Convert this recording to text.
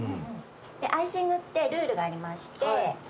アイシングってルールがありまして。